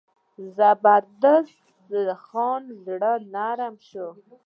زبردست خان زړه نری شو.